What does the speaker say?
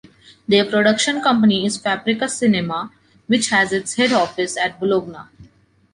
Their production company is Fabrica Cinema, which has its head office at Bologna.